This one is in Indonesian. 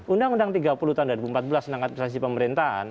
undang undang tiga puluh tahun dua ribu empat belas tentang administrasi pemerintahan